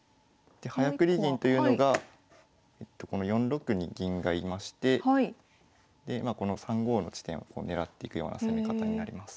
で早繰り銀というのがこの４六に銀がいましてこの３五の地点を狙っていくような攻め方になります。